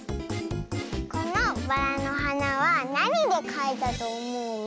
このバラのはなはなにでかいたとおもう？